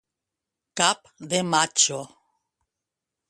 Cap de matxo.